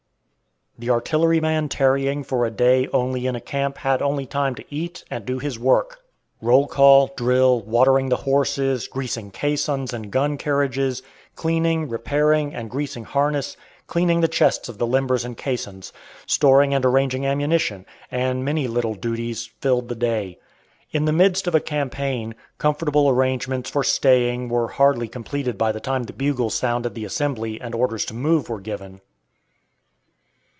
The artilleryman tarrying for a day only in a camp had only time to eat and do his work. Roll call, drill, watering the horses, greasing caissons and gun carriages; cleaning, repairing, and greasing harness; cleaning the chests of the limbers and caissons; storing and arranging ammunition; and many little duties, filled the day. In the midst of a campaign, comfortable arrangements for staying were hardly completed by the time the bugle sounded the assembly and orders to move were given.